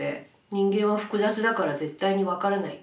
人間は複雑だから絶対に分からない。